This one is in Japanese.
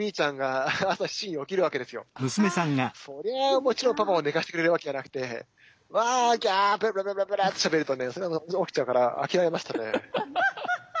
それはもちろんパパを寝かしてくれるわけがなくてワーッギャーベラベラベラってしゃべるとねそれは起きちゃうから諦めましたね。